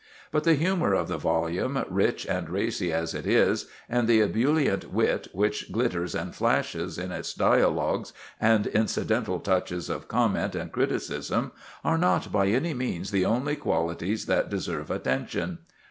But the humor of the volume, rich and racy as it is, and the ebullient wit that glitters and flashes in its dialogues and incidental touches of comment and criticism, are not by any means the only qualities that deserve attention.